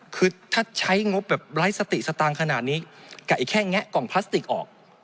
คือถ้าใช้งบแบบไร้สติสตางค์ขนาดนี้กับแค่แงะกล่องพลาสติกออก